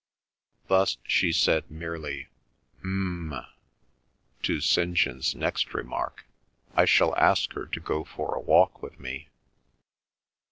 Thus she merely said, "Um m m" to St. John's next remark, "I shall ask her to go for a walk with me."